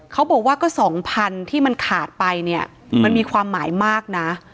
เขาบอกว่าก็๒๐๐๐ที่มันขาดไปเนี่ยมันมีความหมายมากนะ